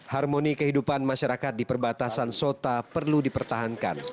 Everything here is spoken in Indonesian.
harmoni kehidupan masyarakat di perbatasan sota perlu dipertahankan